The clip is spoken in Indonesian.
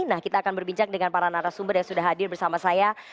nah kita akan berbincang dengan para narasumber yang sudah hadir bersama saya